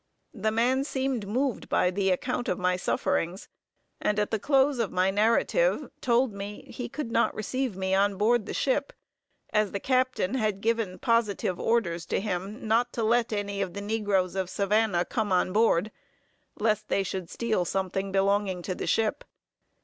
The man seemed moved by the account of my sufferings, and at the close of my narrative, told me he could not receive me on board the ship, as the captain had given positive orders to him, not to let any of the negroes of Savannah come on board, lest they should steal something belonging to the ship.